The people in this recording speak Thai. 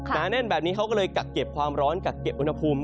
หนาแน่นแบบนี้เขาก็เลยกักเก็บความร้อนกักเก็บอุณหภูมิ